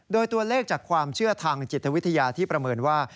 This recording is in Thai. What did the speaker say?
โดยตัวเลขจากความเชื่อทางจิตวิทยาที่ประเมินว่า